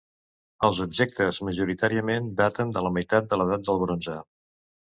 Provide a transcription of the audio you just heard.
Els objectes majoritàriament daten de la meitat de l'edat del bronze.